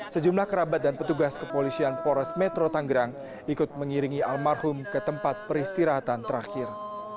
sejumlah kerabat dan petugas kepolisian polres metro tanggerang ikut mengiringi almarhum ke tempat peristirahatan terakhir